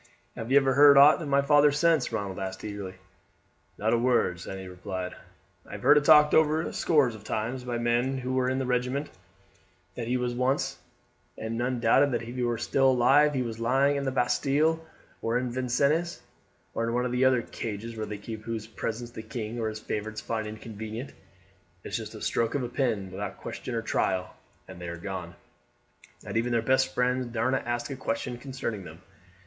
"Have you ever heard aught of my father since?" Ronald asked eagerly. "Not a word," Sandy replied. "I have heard it talked over scores of times by men who were in the regiment that was once his, and none doubted that if he were still alive he was lying in the Bastille, or Vincennes, or one of the other cages where they keep those whose presence the king or his favourites find inconvenient. It's just a stroke of the pen, without question or trial, and they are gone, and even their best friends darena ask a question concerning them.